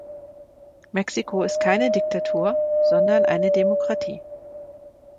Mexiko ist keine Diktatur, sondern eine Demokratie.